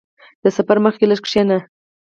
• د سفر مخکې لږ کښېنه.